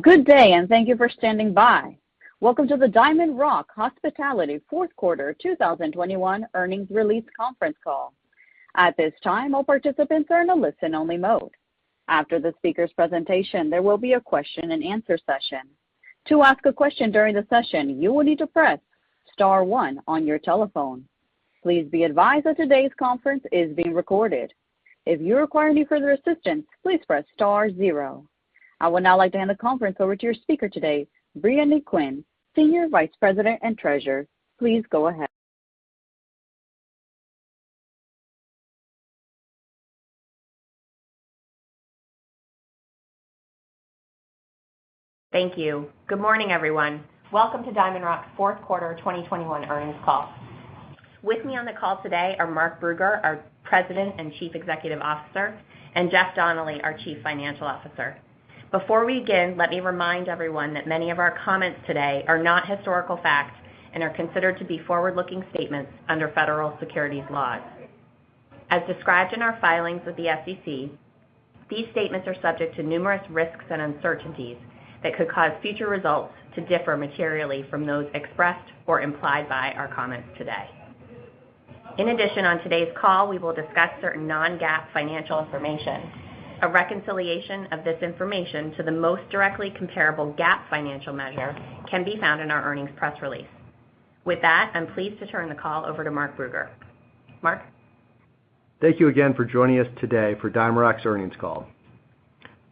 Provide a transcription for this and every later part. Good day, and thank you for standing by. Welcome to the DiamondRock Hospitality fourth quarter 2021 earnings release conference call. At this time, all participants are in a listen-only mode. After the speaker's presentation, there will be a question-and-answer session. To ask a question during the session, you will need to press star one on your telephone. Please be advised that today's conference is being recorded. If you require any further assistance, please press star zero. I would now like to hand the conference over to your speaker today, Briony Quinn, Senior Vice President and Treasurer. Please go ahead. Thank you. Good morning, everyone. Welcome to DiamondRock's fourth quarter 2021 earnings call. With me on the call today are Mark Brugger, our President and Chief Executive Officer, and Jeff Donnelly, our Chief Financial Officer. Before we begin, let me remind everyone that many of our comments today are not historical facts and are considered to be forward-looking statements under federal securities laws. As described in our filings with the SEC, these statements are subject to numerous risks and uncertainties that could cause future results to differ materially from those expressed or implied by our comments today. In addition, on today's call, we will discuss certain non-GAAP financial information. A reconciliation of this information to the most directly comparable GAAP financial measure can be found in our earnings press release. With that, I'm pleased to turn the call over to Mark Brugger. Mark? Thank you again for joining us today for DiamondRock's earnings call.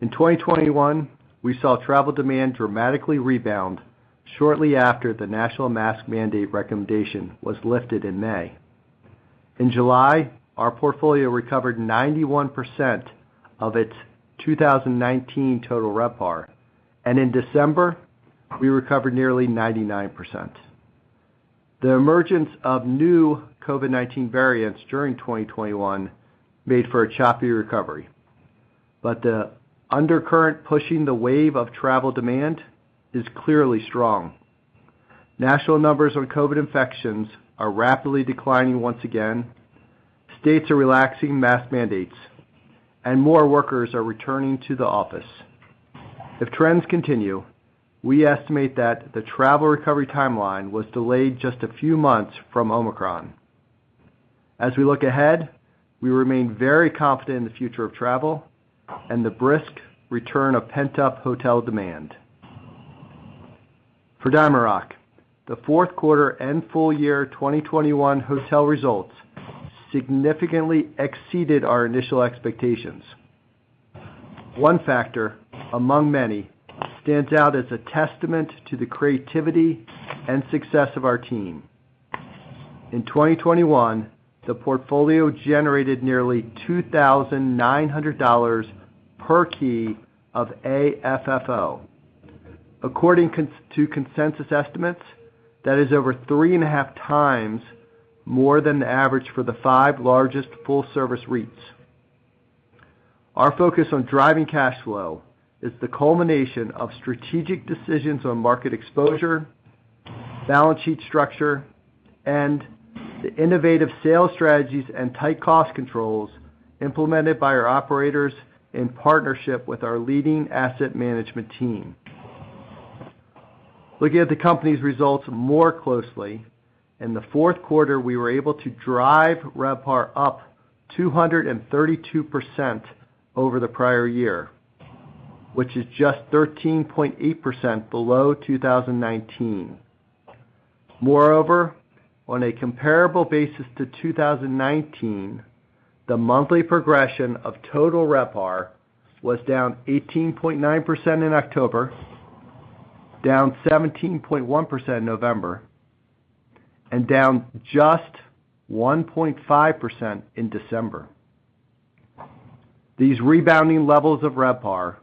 In 2021, we saw travel demand dramatically rebound shortly after the national mask mandate recommendation was lifted in May. In July, our portfolio recovered 91% of its 2019 total RevPAR, and in December, we recovered nearly 99%. The emergence of new COVID-19 variants during 2021 made for a choppy recovery, but the undercurrent pushing the wave of travel demand is clearly strong. National numbers on COVID infections are rapidly declining once again, states are relaxing mask mandates, and more workers are returning to the office. If trends continue, we estimate that the travel recovery timeline was delayed just a few months from Omicron. As we look ahead, we remain very confident in the future of travel and the brisk return of pent-up hotel demand. For DiamondRock, the fourth quarter and full year 2021 hotel results significantly exceeded our initial expectations. One factor, among many, stands out as a testament to the creativity and success of our team. In 2021, the portfolio generated nearly $2,900 per key of AFFO. According to consensus estimates, that is over 3.5 times more than the average for the 5 largest full-service REITs. Our focus on driving cash flow is the culmination of strategic decisions on market exposure, balance sheet structure, and the innovative sales strategies and tight cost controls implemented by our operators in partnership with our leading asset management team. Looking at the company's results more closely, in the fourth quarter, we were able to drive RevPAR up 232% over the prior year, which is just 13.8% below 2019. Moreover, on a comparable basis to 2019, the monthly progression of total RevPAR was down 18.9% in October, down 17.1% in November, and down just 1.5% in December. These rebounding levels of RevPAR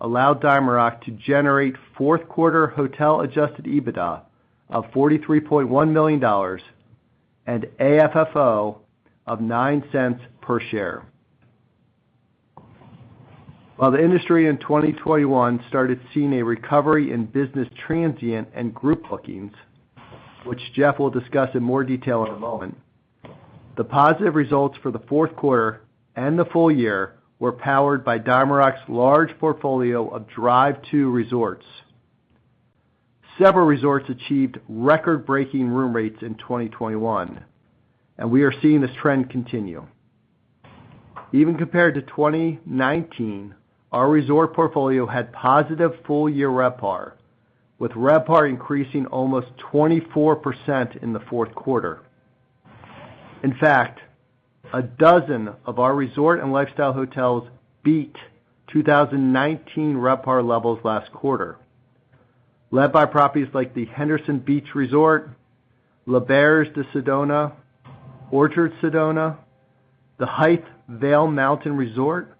allowed DiamondRock to generate fourth quarter Hotel Adjusted EBITDA of $43.1 million and AFFO of $0.09 per share. While the industry in 2021 started seeing a recovery in business transient and group bookings, which Jeff will discuss in more detail in a moment, the positive results for the fourth quarter and the full year were powered by DiamondRock's large portfolio of drive to resorts. Several resorts achieved record-breaking room rates in 2021, and we are seeing this trend continue. Even compared to 2019, our resort portfolio had positive full-year RevPAR, with RevPAR increasing almost 24% in the fourth quarter. In fact, a dozen of our resort and lifestyle hotels beat 2019 RevPAR levels last quarter, led by properties like The Henderson Beach Resort, L'Auberge de Sedona, Orchards Inn Sedona, The Hythe Vail Mountain Resort,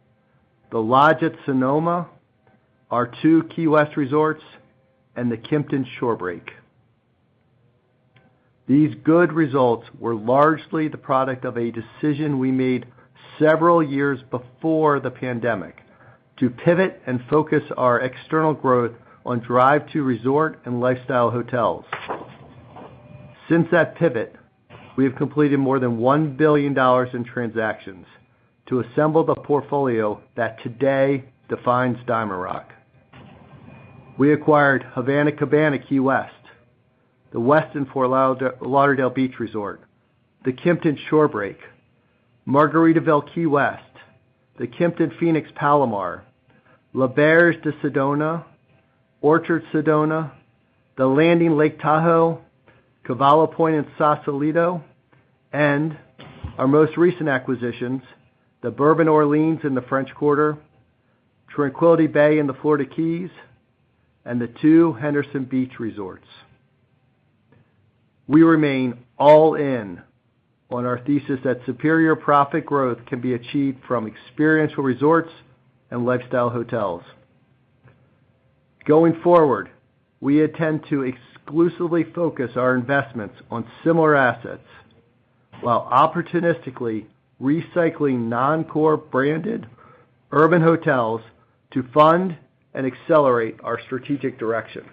The Lodge at Sonoma, our two Key West resorts, and the Kimpton Shorebreak. These good results were largely the product of a decision we made several years before the pandemic to pivot and focus our external growth on drive-to resort and lifestyle hotels. Since that pivot, we have completed more than $1 billion in transactions to assemble the portfolio that today defines DiamondRock. We acquired Havana Cabana Key West, The Westin Fort Lauderdale Beach Resort, the Kimpton Shorebreak, Margaritaville Key West, the Kimpton Phoenix Palomar, L'Auberge de Sedona, Orchards Sedona, The Landing Lake Tahoe, Cavallo Point in Sausalito, and our most recent acquisitions, the Bourbon Orleans in the French Quarter, Tranquility Bay in the Florida Keys, and the two Henderson Beach resorts. We remain all in on our thesis that superior profit growth can be achieved from experiential resorts and lifestyle hotels. Going forward, we intend to exclusively focus our investments on similar assets while opportunistically recycling non-core branded urban hotels to fund and accelerate our strategic direction.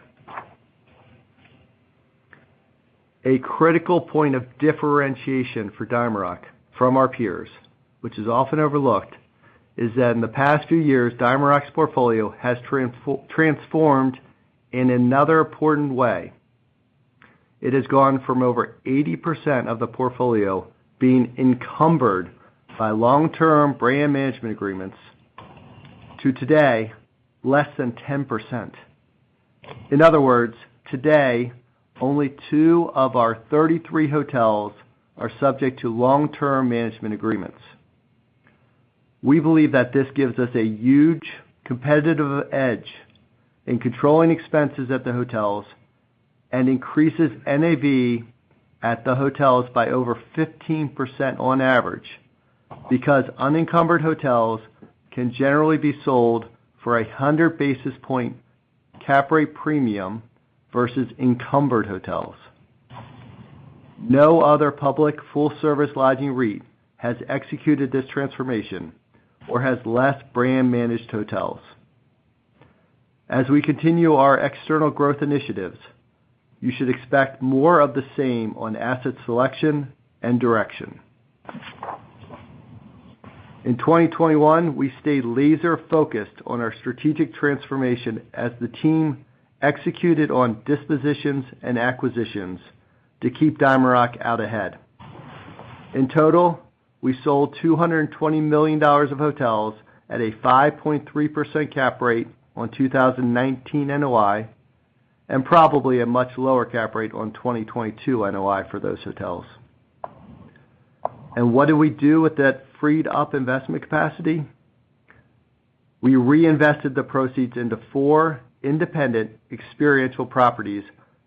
A critical point of differentiation for DiamondRock from our peers, which is often overlooked, is that in the past few years, DiamondRock's portfolio has transformed in another important way. It has gone from over 80% of the portfolio being encumbered by long-term brand management agreements to today, less than 10%. In other words, today, only two of our 33 hotels are subject to long-term management agreements. We believe that this gives us a huge competitive edge in controlling expenses at the hotels and increases NAV at the hotels by over 15% on average, because unencumbered hotels can generally be sold for a 100 basis point cap rate premium versus encumbered hotels. No other public full-service lodging REIT has executed this transformation or has less brand managed hotels. As we continue our external growth initiatives, you should expect more of the same on asset selection and direction. In 2021, we stayed laser-focused on our strategic transformation as the team executed on dispositions and acquisitions to keep DiamondRock out ahead. In total, we sold $220 million of hotels at a 5.3% cap rate on 2019 NOI, and probably a much lower cap rate on 2022 NOI for those hotels. What did we do with that freed-up investment capacity? We reinvested the proceeds into four independent experiential properties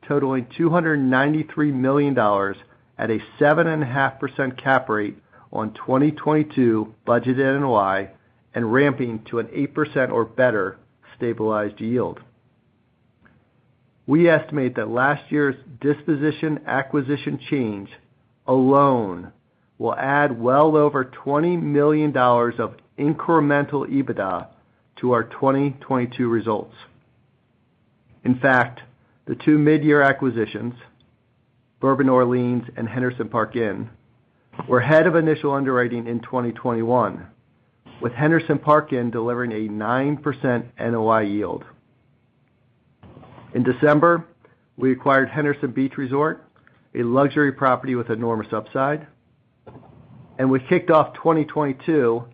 totaling $293 million at a 7.5% cap rate on 2022 budgeted NOI and ramping to an 8% or better stabilized yield. We estimate that last year's disposition acquisition change alone will add well over $20 million of incremental EBITDA to our 2022 results. In fact, the two mid-year acquisitions, Bourbon Orleans and Henderson Park Inn, were ahead of initial underwriting in 2021, with Henderson Park Inn delivering a 9% NOI yield. In December, we acquired Henderson Beach Resort, a luxury property with enormous upside, and we kicked off 2022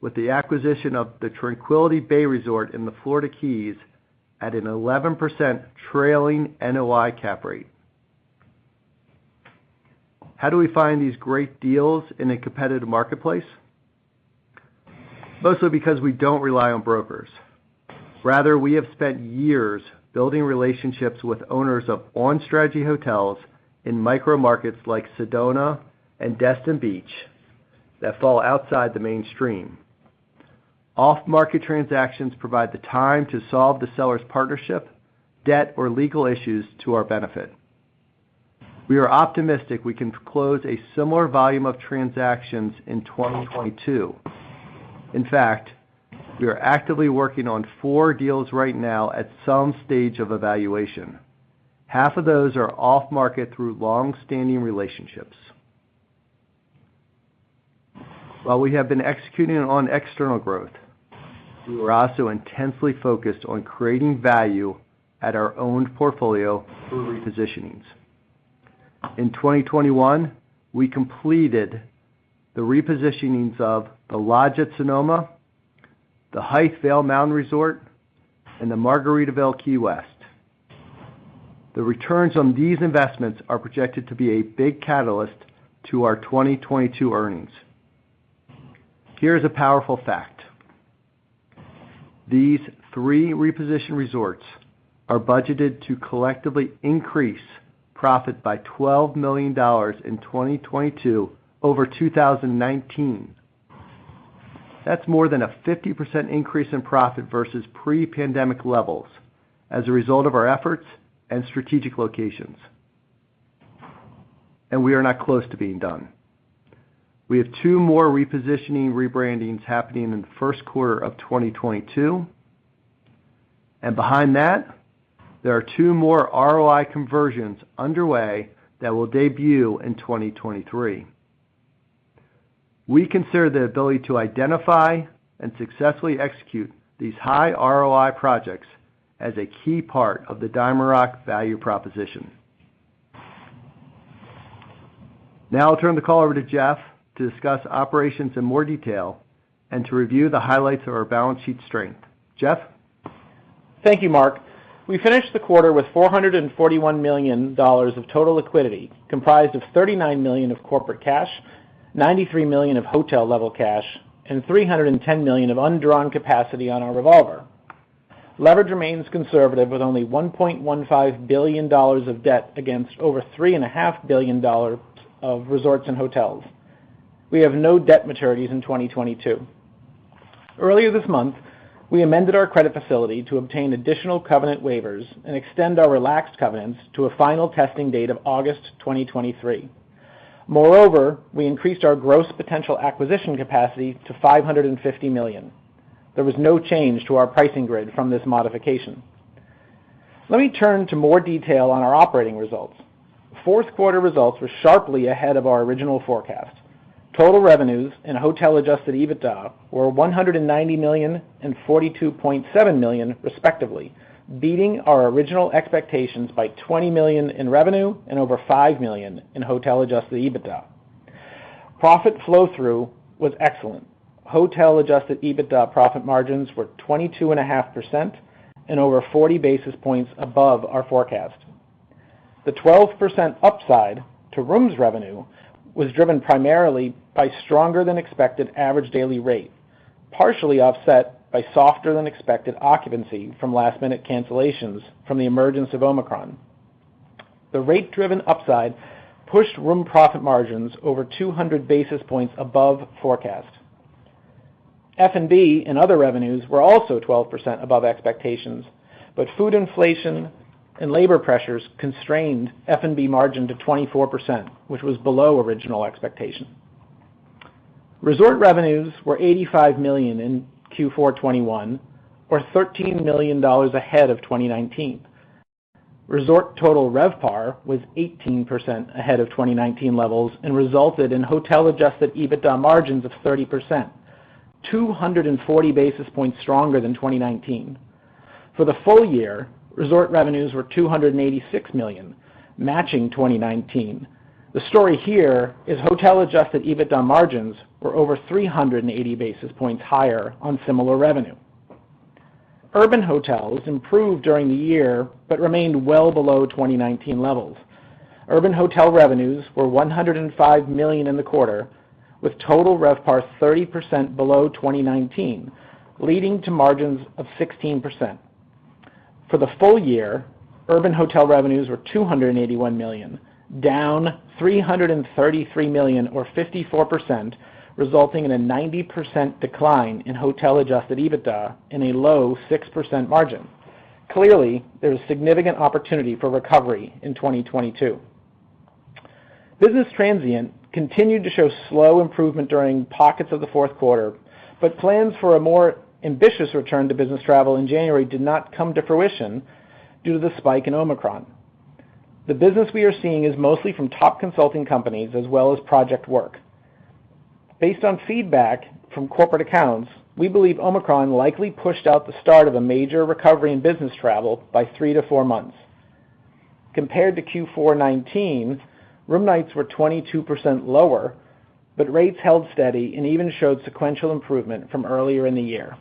with the acquisition of the Tranquility Bay Resort in the Florida Keys at an 11% trailing NOI cap rate. How do we find these great deals in a competitive marketplace? Mostly because we don't rely on brokers. Rather, we have spent years building relationships with owners of on-strategy hotels in micro markets like Sedona and Destin Beach that fall outside the mainstream. Off-market transactions provide the time to solve the seller's partnership, debt, or legal issues to our benefit. We are optimistic we can close a similar volume of transactions in 2022. In fact, we are actively working on four deals right now at some stage of evaluation. Half of those are off-market through long-standing relationships. While we have been executing on external growth, we were also intensely focused on creating value at our own portfolio through repositionings. In 2021, we completed the repositionings of The Lodge at Sonoma, the Hythe Vail Mountain Resort, and the Margaritaville Key West. The returns on these investments are projected to be a big catalyst to our 2022 earnings. Here's a powerful fact. These three repositioned resorts are budgeted to collectively increase profit by $12 million in 2022 over 2019. That's more than a 50% increase in profit versus pre-pandemic levels as a result of our efforts and strategic locations. We are not close to being done. We have two more repositioning rebrandings happening in the first quarter of 2022. Behind that, there are two more ROI conversions underway that will debut in 2023. We consider the ability to identify and successfully execute these high ROI projects as a key part of the DiamondRock value proposition. Now I'll turn the call over to Jeff to discuss operations in more detail and to review the highlights of our balance sheet strength. Jeff? Thank you, Mark. We finished the quarter with $441 million of total liquidity, comprised of $39 million of corporate cash, $93 million of hotel level cash, and $310 million of undrawn capacity on our revolver. Leverage remains conservative with only $1.15 billion of debt against over $3.5 billion of resorts and hotels. We have no debt maturities in 2022. Earlier this month, we amended our credit facility to obtain additional covenant waivers and extend our relaxed covenants to a final testing date of August 2023. Moreover, we increased our gross potential acquisition capacity to $550 million. There was no change to our pricing grid from this modification. Let me turn to more detail on our operating results. Fourth quarter results were sharply ahead of our original forecast. Total revenues and Hotel Adjusted EBITDA were $190 million and $42.7 million, respectively, beating our original expectations by $20 million in revenue and over $5 million in Hotel Adjusted EBITDA. Profit flow-through was excellent. Hotel Adjusted EBITDA profit margins were 22.5% and over 40 basis points above our forecast. The 12% upside to rooms revenue was driven primarily by stronger than expected average daily rate, partially offset by softer than expected occupancy from last-minute cancellations from the emergence of Omicron. The rate-driven upside pushed room profit margins over 200 basis points above forecast. F&B and other revenues were also 12% above expectations, but food inflation and labor pressures constrained F&B margin to 24%, which was below original expectation. Resort revenues were $85 million in Q4 2021, or $13 million ahead of 2019. Resort total RevPAR was 18% ahead of 2019 levels and resulted in Hotel Adjusted EBITDA margins of 30%, 240 basis points stronger than 2019. For the full year, resort revenues were $286 million, matching 2019. The story here is Hotel Adjusted EBITDA margins were over 380 basis points higher on similar revenue. Urban hotels improved during the year but remained well below 2019 levels. Urban hotel revenues were $105 million in the quarter, with total RevPAR 30% below 2019, leading to margins of 16%. For the full year, urban hotel revenues were $281 million, down $333 million or 54%, resulting in a 90% decline in Hotel Adjusted EBITDA in a low 6% margin. Clearly, there is significant opportunity for recovery in 2022. Business transient continued to show slow improvement during pockets of the fourth quarter, but plans for a more ambitious return to business travel in January did not come to fruition due to the spike in Omicron. The business we are seeing is mostly from top consulting companies as well as project work. Based on feedback from corporate accounts, we believe Omicron likely pushed out the start of a major recovery in business travel by 3-4 months. Compared to Q4 2019, room nights were 22% lower, but rates held steady and even showed sequential improvement from earlier in the year.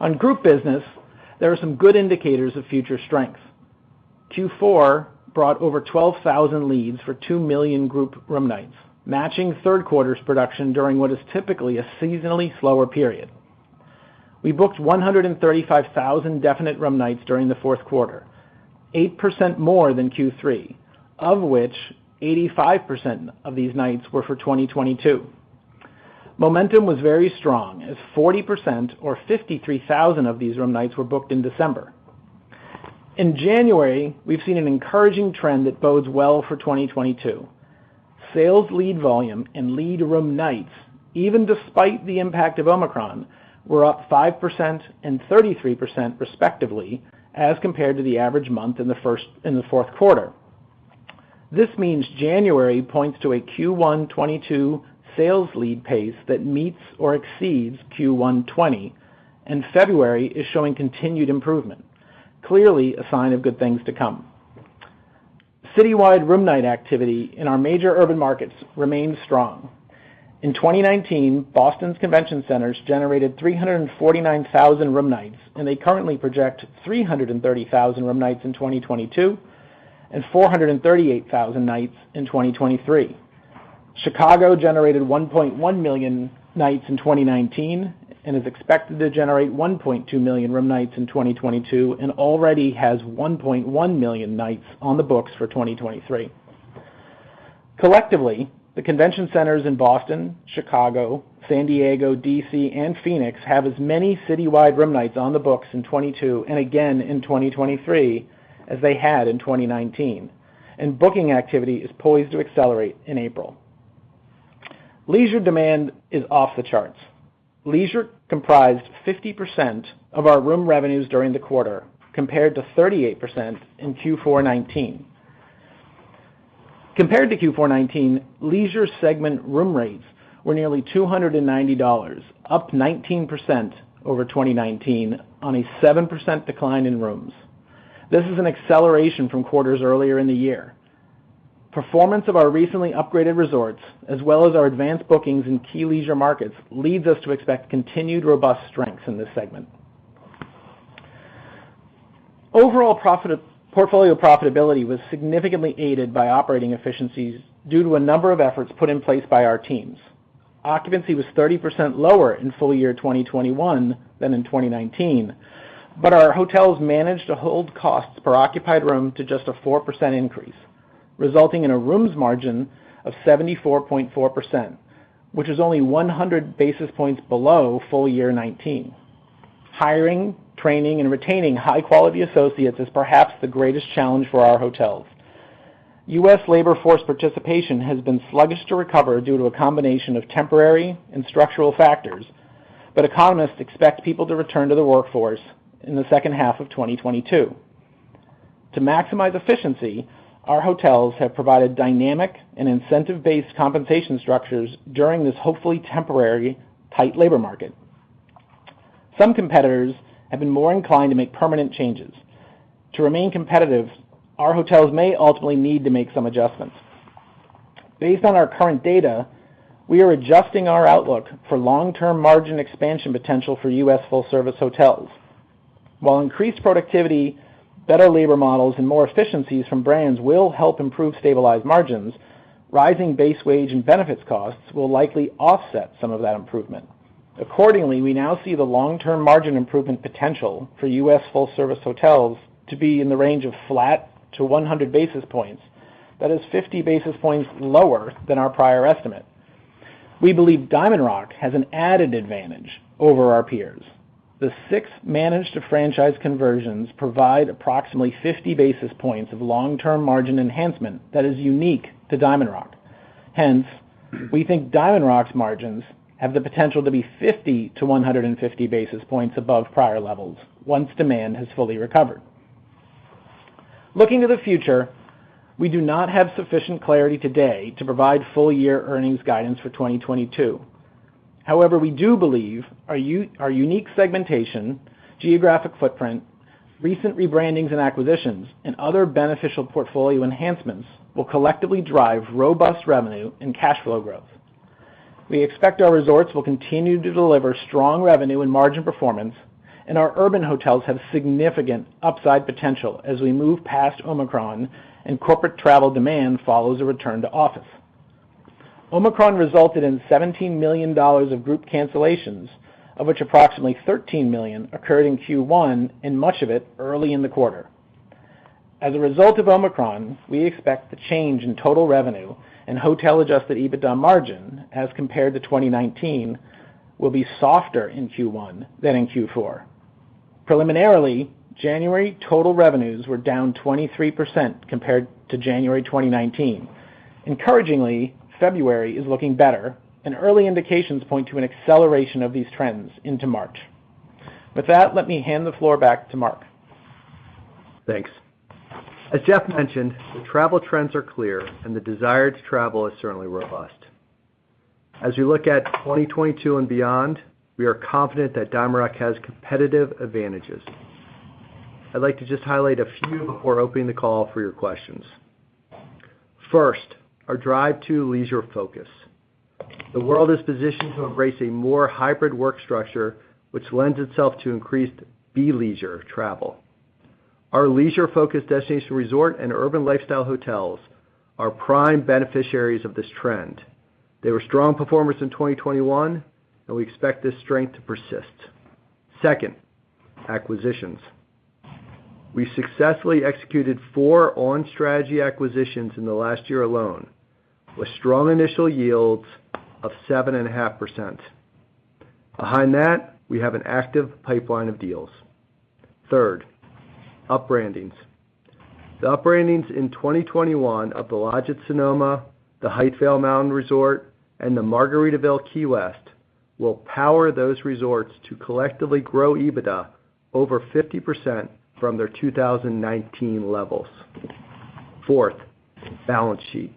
On group business, there are some good indicators of future strength. Q4 brought over 12,000 leads for 2 million group room nights, matching third quarter's production during what is typically a seasonally slower period. We booked 135,000 definite room nights during the fourth quarter, 8% more than Q3, of which 85% of these nights were for 2022. Momentum was very strong as 40% or 53,000 of these room nights were booked in December. In January, we've seen an encouraging trend that bodes well for 2022. Sales lead volume and lead room nights, even despite the impact of Omicron, were up 5% and 33% respectively as compared to the average month in the fourth quarter. This means January points to a Q1 2022 sales lead pace that meets or exceeds Q1 2020, and February is showing continued improvement. Clearly a sign of good things to come. Citywide room night activity in our major urban markets remains strong. In 2019, Boston's convention centers generated 349,000 room nights, and they currently project 330,000 room nights in 2022 and 438,000 nights in 2023. Chicago generated 1.1 million nights in 2019 and is expected to generate 1.2 million room nights in 2022 and already has 1.1 million nights on the books for 2023. Collectively, the convention centers in Boston, Chicago, San Diego, D.C., and Phoenix have as many citywide room nights on the books in 2022 and again in 2023 as they had in 2019, and booking activity is poised to accelerate in April. Leisure demand is off the charts. Leisure comprised 50% of our room revenues during the quarter, compared to 38% in Q4 2019. Compared to Q4 2019, leisure segment room rates were nearly $290, up 19% over 2019 on a 7% decline in rooms. This is an acceleration from quarters earlier in the year. Performance of our recently upgraded resorts as well as our advanced bookings in key leisure markets leads us to expect continued robust strengths in this segment. Overall portfolio profitability was significantly aided by operating efficiencies due to a number of efforts put in place by our teams. Occupancy was 30% lower in full year 2021 than in 2019, but our hotels managed to hold costs per occupied room to just a 4% increase, resulting in a rooms margin of 74.4%, which is only 100 basis points below full year 2019. Hiring, training, and retaining high-quality associates is perhaps the greatest challenge for our hotels. U.S. labor force participation has been sluggish to recover due to a combination of temporary and structural factors, but economists expect people to return to the workforce in the second half of 2022. To maximize efficiency, our hotels have provided dynamic and incentive-based compensation structures during this hopefully temporary tight labor market. Some competitors have been more inclined to make permanent changes. To remain competitive, our hotels may ultimately need to make some adjustments. Based on our current data, we are adjusting our outlook for long-term margin expansion potential for U.S. full-service hotels. While increased productivity, better labor models, and more efficiencies from brands will help improve stabilized margins, rising base wage and benefits costs will likely offset some of that improvement. Accordingly, we now see the long-term margin improvement potential for U.S. full service hotels to be in the range of flat to 100 basis points. That is 50 basis points lower than our prior estimate. We believe DiamondRock has an added advantage over our peers. The six management to franchise conversions provide approximately 50 basis points of long-term margin enhancement that is unique to DiamondRock. Hence, we think DiamondRock's margins have the potential to be 50 to 150 basis points above prior levels once demand has fully recovered. Looking to the future, we do not have sufficient clarity today to provide full year earnings guidance for 2022. However, we do believe our unique segmentation, geographic footprint, recent rebrandings and acquisitions, and other beneficial portfolio enhancements will collectively drive robust revenue and cash flow growth. We expect our resorts will continue to deliver strong revenue and margin performance, and our urban hotels have significant upside potential as we move past Omicron and corporate travel demand follows a return to office. Omicron resulted in $17 million of group cancellations, of which approximately $13 million occurred in Q1, and much of it early in the quarter. As a result of Omicron, we expect the change in total revenue and Hotel Adjusted EBITDA margin as compared to 2019 will be softer in Q1 than in Q4. Preliminarily, January total revenues were down 23% compared to January 2019. Encouragingly, February is looking better, and early indications point to an acceleration of these trends into March. With that, let me hand the floor back to Mark. Thanks. As Jeff mentioned, the travel trends are clear and the desire to travel is certainly robust. As we look at 2022 and beyond, we are confident that DiamondRock has competitive advantages. I'd like to just highlight a few before opening the call for your questions. First, our drive to leisure focus. The world is positioned to embrace a more hybrid work structure, which lends itself to increased leisure travel. Our leisure focus destination resort and urban lifestyle hotels are prime beneficiaries of this trend. They were strong performers in 2021, and we expect this strength to persist. Second, acquisitions. We successfully executed four on-strategy acquisitions in the last year alone, with strong initial yields of 7.5%. Behind that, we have an active pipeline of deals. Third, upbrandings. The upbrandings in 2021 of the Lodge at Sonoma, The Hythe Vail Mountain Resort, and the Margaritaville Key West will power those resorts to collectively grow EBITDA over 50% from their 2019 levels. Fourth, balance sheet.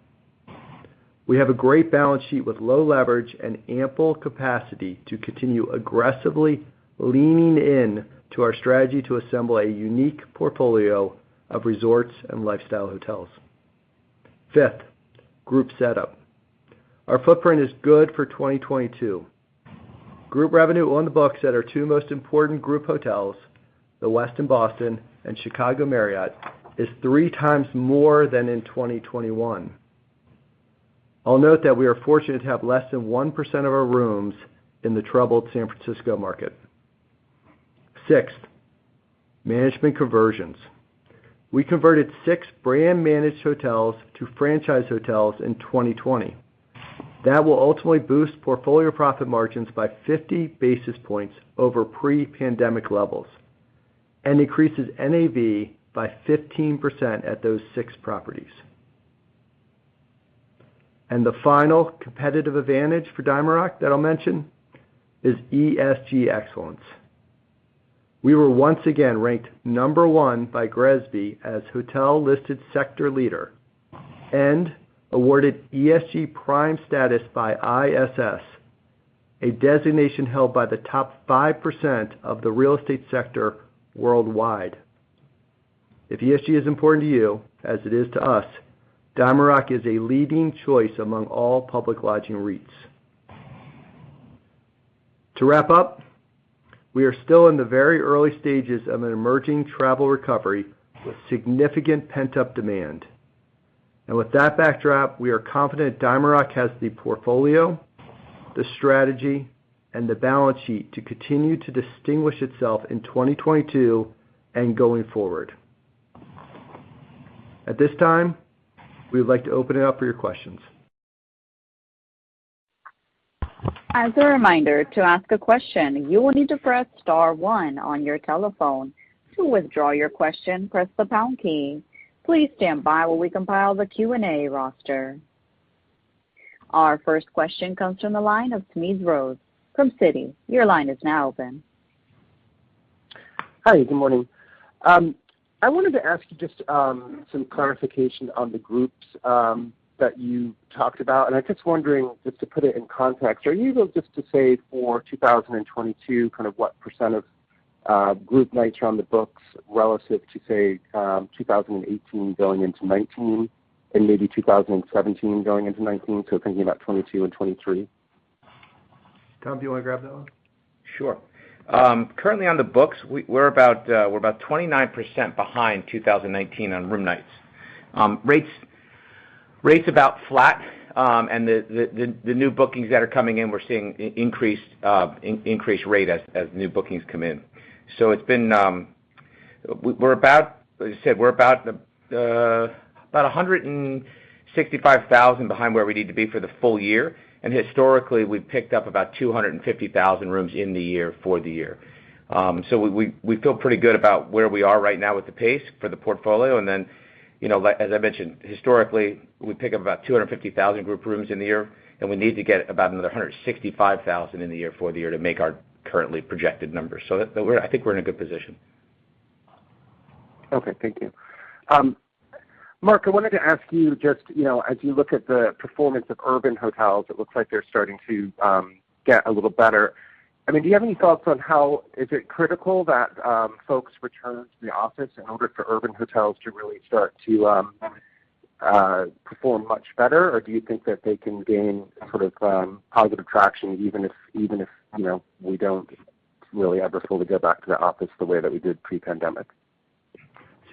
We have a great balance sheet with low leverage and ample capacity to continue aggressively leaning in to our strategy to assemble a unique portfolio of resorts and lifestyle hotels. Fifth, group setup. Our footprint is good for 2022. Group revenue on the books at our two most important group hotels, The Westin Boston and Chicago Marriott, is 3 times more than in 2021. I'll note that we are fortunate to have less than 1% of our rooms in the troubled San Francisco market. Sixth, management conversions. We converted six brand managed hotels to franchise hotels in 2020. That will ultimately boost portfolio profit margins by 50 basis points over pre-pandemic levels and increases NAV by 15% at those six properties. The final competitive advantage for DiamondRock that I'll mention is ESG excellence. We were once again ranked number one by GRESB as hotel listed sector leader and awarded ESG Prime Status by ISS, a designation held by the top 5% of the real estate sector worldwide. If ESG is important to you as it is to us, DiamondRock is a leading choice among all public lodging REITs. To wrap up, we are still in the very early stages of an emerging travel recovery with significant pent-up demand. With that backdrop, we are confident DiamondRock has the portfolio, the strategy, and the balance sheet to continue to distinguish itself in 2022 and going forward. At this time, we would like to open it up for your questions. As a reminder, to ask a question, you will need to press star one on your telephone. To withdraw your question, press the pound key. Please stand by while we compile the Q&A roster. Our first question comes from the line of Smedes Rose from Citi. Your line is now open. Hi, good morning. I wanted to ask you just some clarification on the groups that you talked about, and I'm just wondering just to put it in context. Are you able just to say for 2022 kind of what percent of group nights are on the books relative to, say, 2018 going into 2019 and maybe 2017 going into 2019, so thinking about 2022 and 2023? Tom, do you wanna grab that one? Sure. Currently on the books, we're about 29% behind 2019 on room nights. Rates about flat. The new bookings that are coming in, we're seeing increased rate as new bookings come in. It's been, we're about. Like I said, we're about 165,000 behind where we need to be for the full year. Historically, we've picked up about 250,000 rooms in the year for the year. We feel pretty good about where we are right now with the pace for the portfolio. You know, like as I mentioned, historically, we pick up about 250,000 group rooms in the year, and we need to get about another 165,000 in the year for the year to make our currently projected numbers. I think we're in a good position. Okay, thank you. Mark, I wanted to ask you just, you know, as you look at the performance of urban hotels, it looks like they're starting to get a little better. I mean, Is it critical that folks return to the office in order for urban hotels to really start to perform much better? Or do you think that they can gain sort of positive traction, even if, you know, we don't really ever fully go back to the office the way that we did pre-pandemic? Smedes,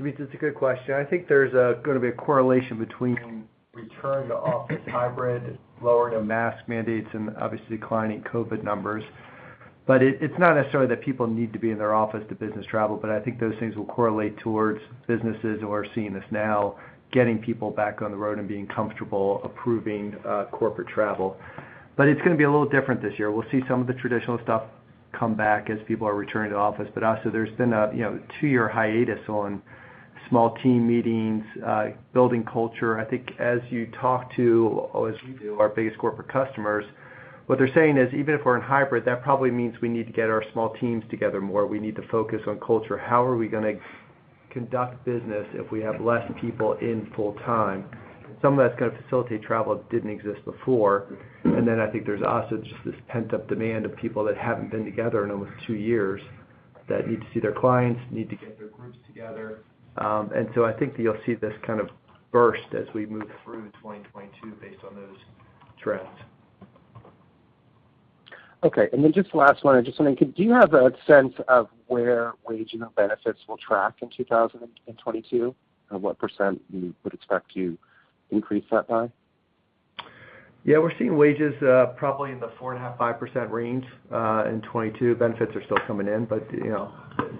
it's a good question. I think there's gonna be a correlation between return to office, hybrid, lowering of mask mandates, and obviously declining COVID numbers. It's not necessarily that people need to be in their office to business travel, but I think those things will correlate towards businesses, and we're seeing this now, getting people back on the road and being comfortable approving corporate travel. It's gonna be a little different this year. We'll see some of the traditional stuff come back as people are returning to office. Also there's been a, you know, two-year hiatus on small team meetings, building culture. I think as you talk to, or as we do, our biggest corporate customers, what they're saying is, even if we're in hybrid, that probably means we need to get our small teams together more. We need to focus on culture. How are we gonna conduct business if we have less people in full time? Some of that's gonna facilitate travel that didn't exist before. I think there's also just this pent-up demand of people that haven't been together in almost two years that need to see their clients, need to get their groups together. I think that you'll see this kind of burst as we move through 2022 based on those trends. Okay. Just the last one. I'm just wondering, do you have a sense of where wage and benefits will track in 2022, and what percent you would expect to increase that by? Yeah, we're seeing wages, probably in the 4.5%-5% range, in 2022. Benefits are still coming in, but, you know,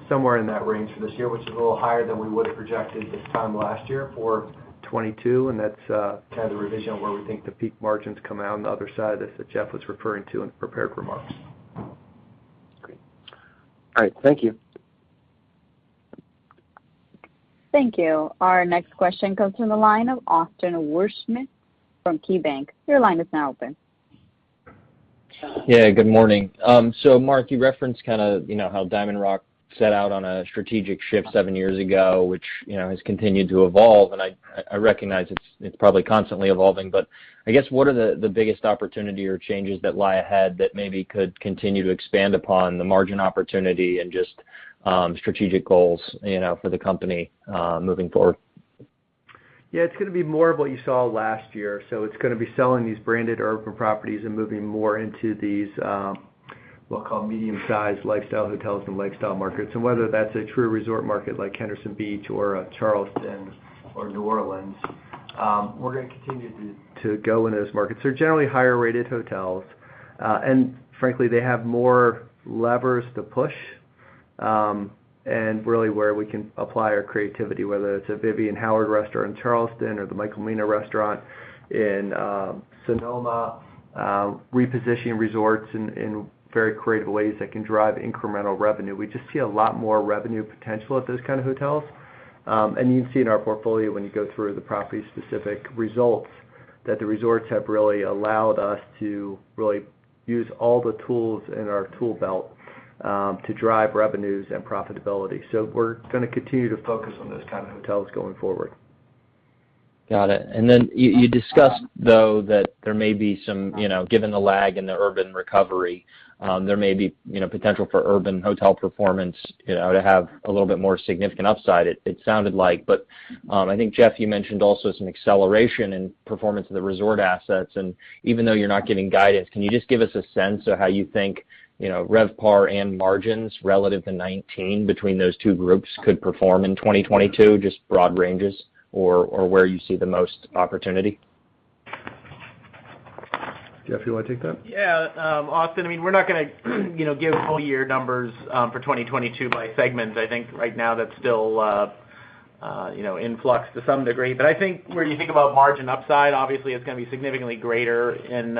somewhere in that range for this year, which is a little higher than we would have projected this time last year for 2022, and that's, kind of the revision on where we think the peak margins come out on the other side of this that Jeff was referring to in the prepared remarks. Great. All right. Thank you. Thank you. Our next question comes from the line of Austin Wurschmidt from KeyBanc. Your line is now open. Yeah, good morning. So Mark, you referenced kind of, you know, how DiamondRock set out on a strategic shift seven years ago, which, you know, has continued to evolve, and I recognize it's probably constantly evolving. But I guess, what are the biggest opportunity or changes that lie ahead that maybe could continue to expand upon the margin opportunity and just, strategic goals, you know, for the company moving forward? Yeah, it's gonna be more of what you saw last year. It's gonna be selling these branded urban properties and moving more into these, we'll call medium-sized lifestyle hotels and lifestyle markets. Whether that's a true resort market like Henderson Beach or a Charleston or New Orleans, we're gonna continue to go in those markets. They're generally higher-rated hotels, and frankly, they have more levers to push, and really where we can apply our creativity, whether it's a Vivian Howard restaurant in Charleston or the Michael Mina restaurant in Sonoma, repositioning resorts in very creative ways that can drive incremental revenue. We just see a lot more revenue potential at those kind of hotels. You can see in our portfolio when you go through the property specific results, that the resorts have really allowed us to use all the tools in our tool belt, to drive revenues and profitability. We're gonna continue to focus on those kind of hotels going forward. Got it. Then you discussed though that there may be some, you know, given the lag in the urban recovery, there may be, you know, potential for urban hotel performance, you know, to have a little bit more significant upside, it sounded like. I think, Jeff, you mentioned also some acceleration in performance of the resort assets. Even though you're not giving guidance, can you just give us a sense of how you think, you know, RevPAR and margins relative to 2019 between those two groups could perform in 2022, just broad ranges or where you see the most opportunity? Jeff, you wanna take that? Yeah, Austin, I mean, we're not gonna, you know, give full year numbers for 2022 by segments. I think right now that's still, you know, in flux to some degree. I think where you think about margin upside, obviously, it's gonna be significantly greater in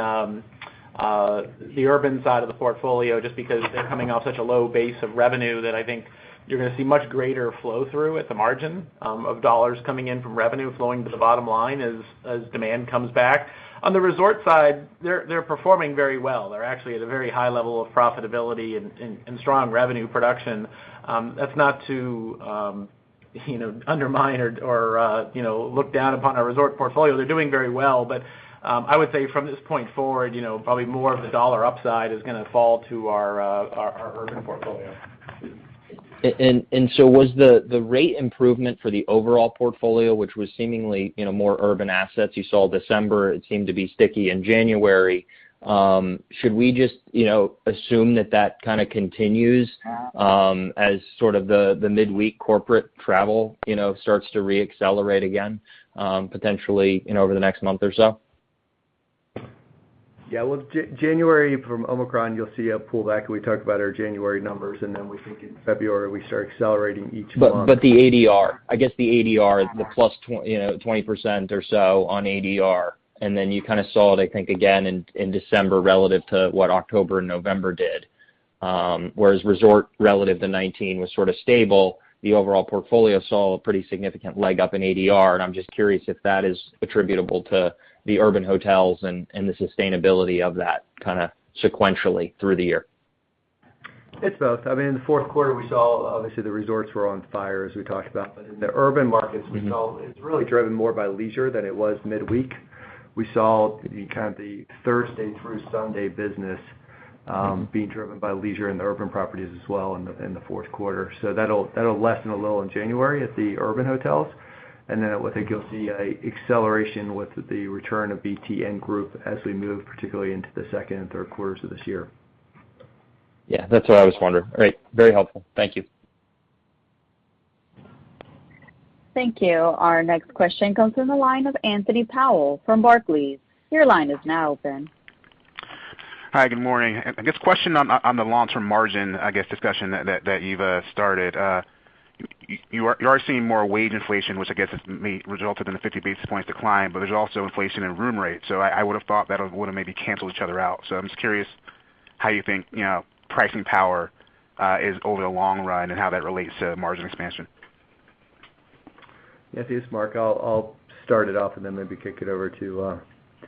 the urban side of the portfolio, just because they're coming off such a low base of revenue that I think you're gonna see much greater flow through at the margin of dollars coming in from revenue flowing to the bottom line as demand comes back. On the resort side, they're performing very well. They're actually at a very high level of profitability and strong revenue production. That's not to, you know, undermine or, you know, look down upon our resort portfolio. They're doing very well. I would say from this point forward, you know, probably more of the dollar upside is gonna fall to our urban portfolio. Was the rate improvement for the overall portfolio, which was seemingly, you know, more urban assets you saw December, sticky in January? Should we just, you know, assume that kind of continues as sort of the midweek corporate travel, you know, starts to reaccelerate again, potentially over the next month or so? Yeah. Well, January from Omicron, you'll see a pullback. We talked about our January numbers, and then we think in February we start accelerating each month. The ADR, I guess, the plus 20% or so on ADR, and then you kind of saw it, I think, again in December relative to what October and November did. Whereas resort relative to 2019 was sort of stable, the overall portfolio saw a pretty significant leg up in ADR, and I'm just curious if that is attributable to the urban hotels and the sustainability of that kind of sequentially through the year. It's both. I mean, in the fourth quarter we saw, obviously the resorts were on fire, as we talked about. In the urban markets we saw it's really driven more by leisure than it was midweek. We saw the kind of Thursday through Sunday business, being driven by leisure in the urban properties as well in the fourth quarter. That'll lessen a little in January at the urban hotels, and then I think you'll see a acceleration with the return of BT and group as we move, particularly into the second and third quarters of this year. Yeah, that's what I was wondering. All right, very helpful. Thank you. Thank you. Our next question comes from the line of Anthony Powell from Barclays. Your line is now open. Hi. Good morning. I guess question on the long-term margin, I guess discussion that you've started. You are seeing more wage inflation, which I guess has resulted in a 50 basis points decline, but there's also inflation in room rate. I would've thought that would've maybe canceled each other out. I'm just curious how you think, you know, pricing power is over the long run and how that relates to margin expansion. Anthony, it's Mark. I'll start it off and then maybe kick it over to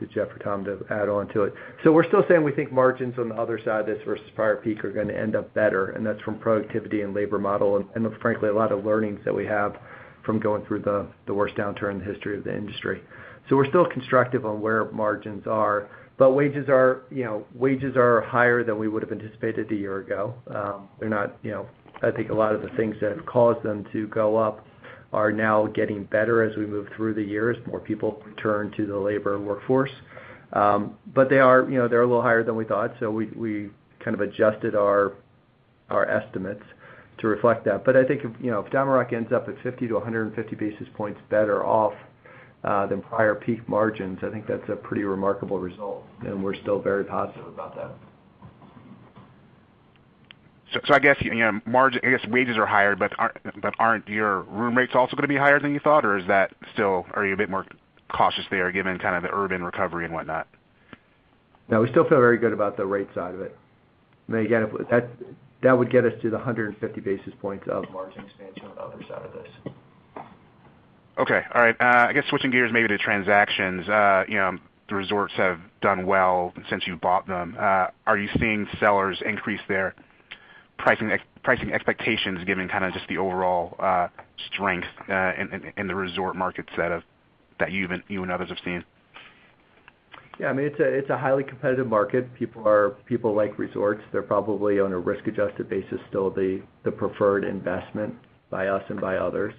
Jeff or Tom to add on to it. We're still saying we think margins on the other side of this versus prior peak are gonna end up better, and that's from productivity and labor model and frankly, a lot of learnings that we have from going through the worst downturn in the history of the industry. We're still constructive on where margins are, but wages are, you know, wages are higher than we would've anticipated a year ago. They're not, you know. I think a lot of the things that have caused them to go up are now getting better as we move through the years, more people return to the labor workforce. They are, you know, they're a little higher than we thought, so we kind of adjusted our estimates to reflect that. I think if, you know, if DiamondRock ends up at 50-150 basis points better off than prior peak margins, I think that's a pretty remarkable result, and we're still very positive about that. I guess, you know, margins, I guess wages are higher, but aren't your room rates also gonna be higher than you thought, or is that, are you a bit more cautious or given kind of the urban recovery and whatnot? No, we still feel very good about the rate side of it. I mean, again, if that would get us to 150 basis points of margin expansion on the other side of this. Okay. All right. I guess switching gears maybe to transactions, you know, the resorts have done well since you've bought them. Are you seeing sellers increase their pricing expectations given kind of just the overall strength in the resort markets that you and others have seen? Yeah, I mean, it's a highly competitive market. People like resorts. They're probably on a risk-adjusted basis, still the preferred investment by us and by others.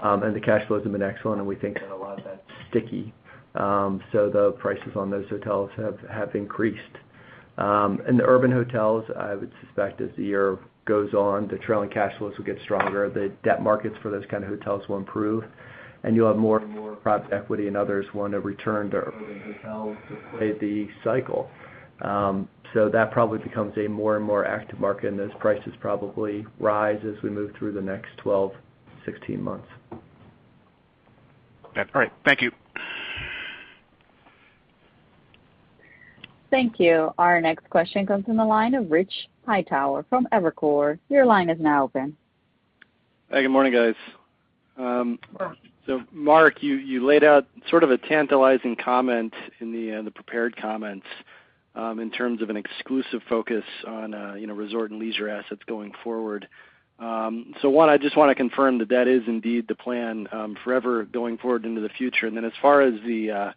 The cash flows have been excellent, and we think that a lot of that's sticky. The prices on those hotels have increased. In the urban hotels, I would suspect as the year goes on, the trailing cash flows will get stronger, the debt markets for those kind of hotels will improve, and you'll have more and more private equity, and others want to return to urban hotels to play the cycle. That probably becomes a more and more active market, and those prices probably rise as we move through the next 12, 16 months. All right. Thank you. Thank you. Our next question comes from the line of Rich Hightower from Evercore. Your line is now open. Hey, good morning, guys. So Mark, you laid out sort of a tantalizing comment in the prepared comments, in terms of an exclusive focus on, you know, resort and leisure assets going forward. So one, I just wanna confirm that that is indeed the plan, forever going forward into the future. Then as far as the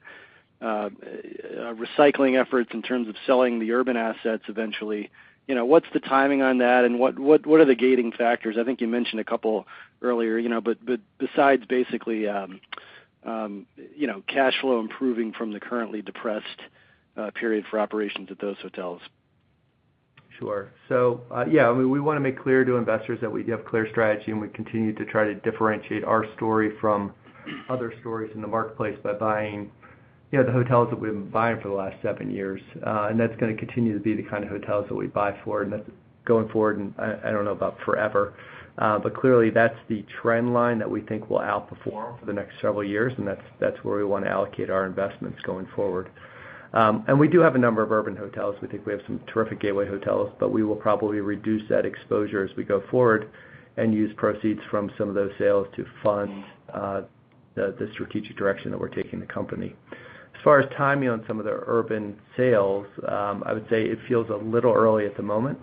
recycling efforts in terms of selling the urban assets eventually, you know, what's the timing on that, and what are the gating factors? I think you mentioned a couple earlier, you know, but besides basically, you know, cash flow improving from the currently depressed period for operations at those hotels. Sure. Yeah, I mean, we wanna make clear to investors that we have clear strategy, and we continue to try to differentiate our story from other stories in the marketplace by buying, you know, the hotels that we've been buying for the last seven years. That's gonna continue to be the kind of hotels that we buy for. That's going forward, and I don't know about forever. Clearly, that's the trend line that we think will outperform for the next several years, and that's where we wanna allocate our investments going forward. We do have a number of urban hotels. We think we have some terrific gateway hotels, but we will probably reduce that exposure as we go forward and use proceeds from some of those sales to fund the strategic direction that we're taking the company. As far as timing on some of the urban sales, I would say it feels a little early at the moment.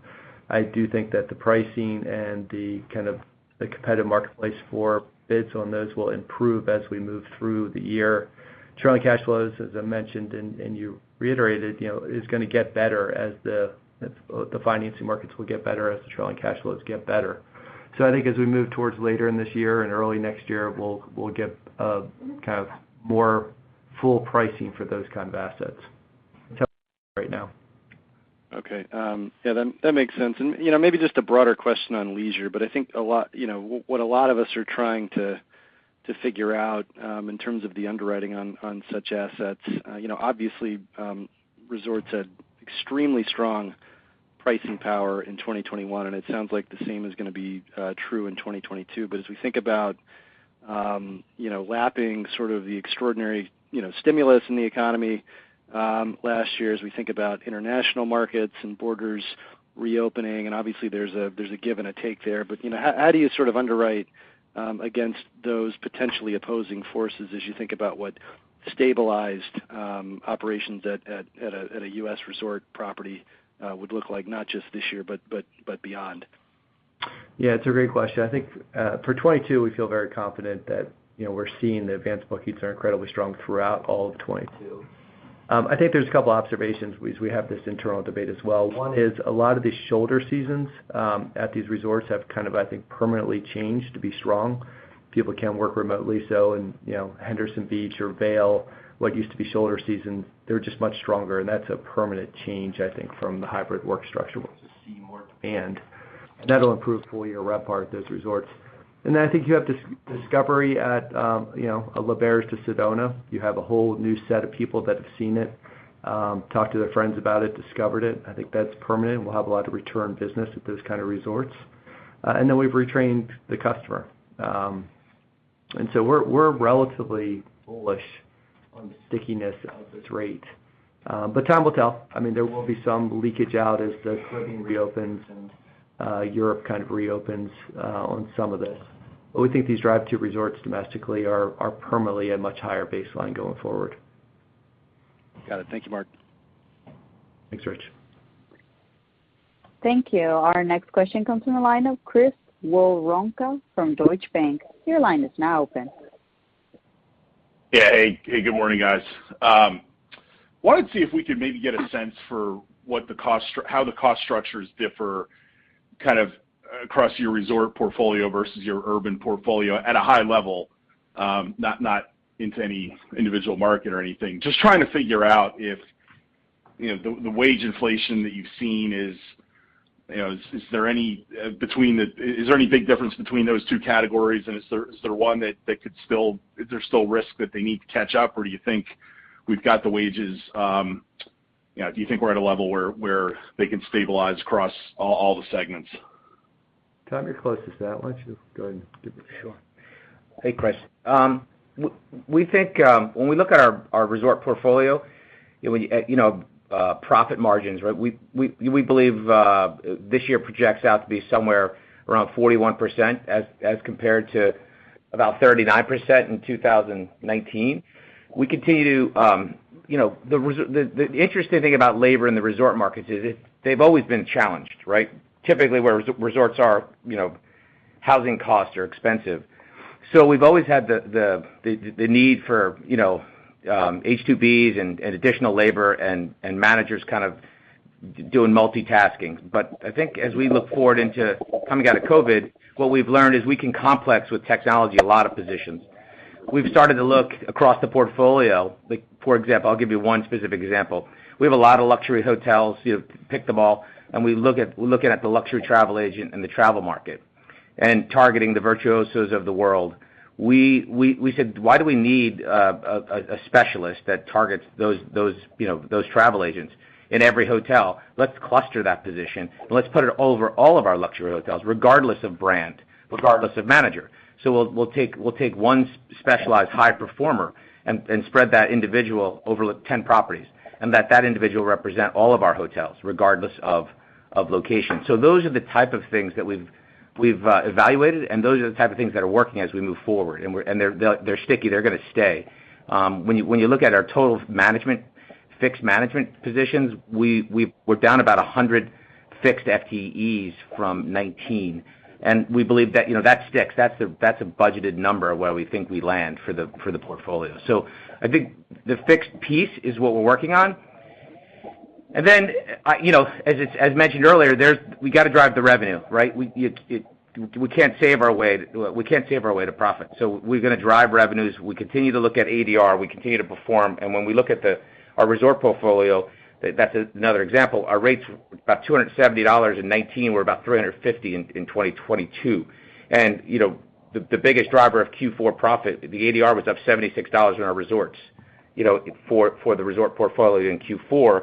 I do think that the pricing and the kind of competitive marketplace for bids on those will improve as we move through the year. Trailing cash flows, as I mentioned, and you reiterated, you know, is gonna get better as the financing markets will get better as the trailing cash flows get better. I think as we move towards later in this year and early next year, we'll get a kind of more full pricing for those kind of assets. Okay. Yeah, that makes sense. You know, maybe just a broader question on leisure, but I think a lot you know what a lot of us are trying to figure out in terms of the underwriting on such assets. You know, obviously, resorts had extremely strong pricing power in 2021, and it sounds like the same is gonna be true in 2022. As we think about you know lapping sort of the extraordinary you know stimulus in the economy last year, as we think about international markets and borders reopening, and obviously there's a give and a take there. You know, how do you sort of underwrite against those potentially opposing forces as you think about what stabilized operations at a U.S. resort property, would look like not just this year, but beyond? Yeah, it's a great question. I think, for 2022, we feel very confident that, you know, we're seeing the advanced bookings are incredibly strong throughout all of 2022. I think there's a couple observations. We have this internal debate as well. One is a lot of these shoulder seasons at these resorts have kind of, I think, permanently changed to be strong. People can work remotely, so and, you know, Henderson Beach or Vail, what used to be shoulder season, they're just much stronger, and that's a permanent change, I think, from the hybrid work structure we'll see more. That'll improve full-year RevPAR at those resorts. Then I think you have discovery at, you know, L'Auberge de Sedona. You have a whole new set of people that have seen it, talked to their friends about it, discovered it. I think that's permanent. We'll have a lot of return business at those kind of resorts. We've retrained the customer. We're relatively bullish on the stickiness of this rate. Time will tell. I mean, there will be some leakage out as the Caribbean reopens and Europe kind of reopens on some of this. We think these drive to resorts domestically are permanently at much higher baseline going forward. Got it. Thank you, Mark. Thanks, Rich. Thank you. Our next question comes from the line of Chris Woronka from Deutsche Bank. Your line is now open. Yeah. Hey, hey, good morning, guys. Wanted to see if we could maybe get a sense for what the cost structures differ kind of across your resort portfolio versus your urban portfolio at a high level, not into any individual market or anything. Just trying to figure out if, you know, the wage inflation that you've seen is, you know, is there any big difference between those two categories, and is there one that could still. Is there still risk that they need to catch up, or do you think we've got the wages, you know, do you think we're at a level where they can stabilize across all the segments? Tom, you're closest to that. Why don't you go ahead and give it a shot? Hey, Chris. We think when we look at our resort portfolio, you know, profit margins, right, we believe this year projects out to be somewhere around 41% as compared to about 39% in 2019. The interesting thing about labor in the resort markets is they've always been challenged, right? Typically, where resorts are, you know, housing costs are expensive. So we've always had the need for, you know, H-2Bs and additional labor and managers kind of doing multitasking. I think as we look forward into coming out of COVID, what we've learned is we can complement with technology a lot of positions. We've started to look across the portfolio, like for example, I'll give you one specific example. We have a lot of luxury hotels. You pick them all. We're looking at the luxury travel agent and the travel market and targeting the Virtuoso of the world. We said, "Why do we need a specialist that targets those, you know, those travel agents in every hotel? Let's cluster that position, and let's put it over all of our luxury hotels, regardless of brand, regardless of manager." So we'll take one specialized high performer and spread that individual over 10 properties, and let that individual represent all of our hotels, regardless of location. So those are the type of things that- We've evaluated, and those are the type of things that are working as we move forward, and they're sticky, they're gonna stay. When you look at our total fixed management positions, we're down about 100 fixed FTEs from 2019, and we believe that, you know, that sticks. That's a budgeted number where we think we land for the portfolio. I think the fixed piece is what we're working on. Then, you know, as mentioned earlier, we gotta drive the revenue, right? We can't save our way to profit. We're gonna drive revenues. We continue to look at ADR, we continue to perform. When we look at our resort portfolio, that's another example. Our rates were about $270 in 2019. We're about $350 in 2022. You know, the biggest driver of Q4 profit, the ADR was up $76 in our resorts, you know, for the resort portfolio in Q4.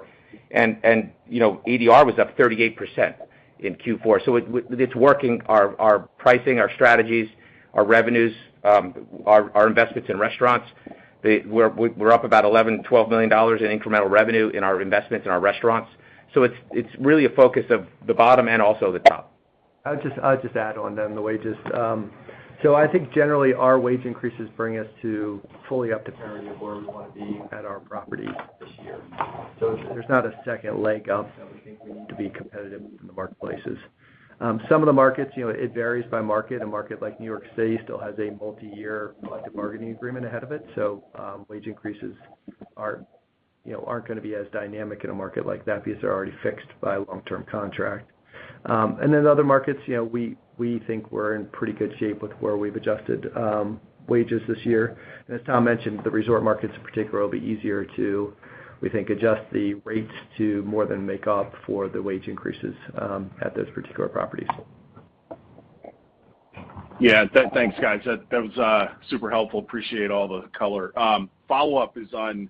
You know, ADR was up 38% in Q4. With our pricing, our strategies, our revenues, our investments in restaurants, we're up about $11 million-$12 million in incremental revenue in our investments in our restaurants. It's really a focus of the bottom end, also the top. I'll just add on then the wages. I think generally our wage increases bring us to fully up to par where we wanna be at our property this year. There's not a second leg up that we think we need to be competitive in the marketplaces. Some of the markets, you know, it varies by market. A market like New York City still has a multiyear collective bargaining agreement ahead of it. Wage increases aren't, you know, gonna be as dynamic in a market like that because they're already fixed by long-term contract. Then other markets, you know, we think we're in pretty good shape with where we've adjusted wages this year. As Tom mentioned, the resort markets in particular will be easier to, we think, adjust the rates to more than make up for the wage increases, at those particular properties. Thanks, guys. That was super helpful. Appreciate all the color. Follow-up is on,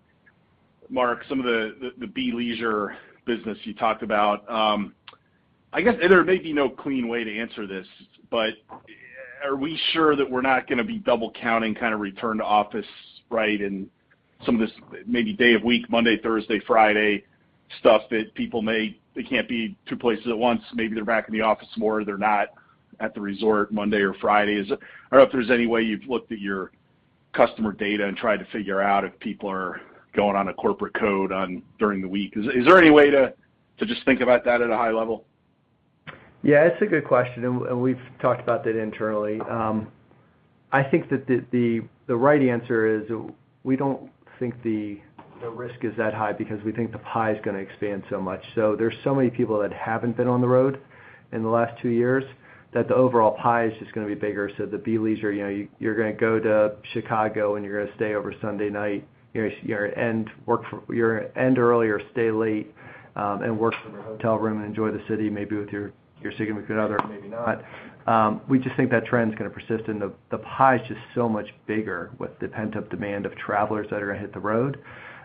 Mark, some of the bleisure business you talked about. I guess there may be no clean way to answer this, but are we sure that we're not gonna be double counting kind of return to office, right, in some of this maybe day-of-week, Monday, Thursday, Friday stuff that people may. They can't be two places at once. Maybe they're back in the office more, they're not at the resort Monday or Fridays. I don't know if there's any way you've looked at your customer data and tried to figure out if people are going on a corporate code during the week. Is there any way to just think about that at a high level? Yeah, it's a good question, and we've talked about that internally. I think that the right answer is we don't think the risk is that high because we think the pie is gonna expand so much. There's so many people that haven't been on the road in the last two years that the overall pie is just gonna be bigger. The bleisure, you know, you're gonna go to Chicago, and you're gonna stay over Sunday night. You end early or stay late, and work from your hotel room and enjoy the city, maybe with your significant other, maybe not. We just think that trend is gonna persist, and the pie is just so much bigger with the pent-up demand of travelers that are gonna hit the road,